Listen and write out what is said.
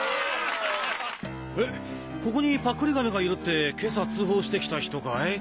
えっここにパックリ亀がいるって今朝通報してきた人かい？